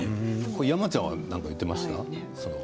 山ちゃんは何か言っていましたか。